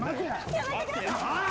やめてください！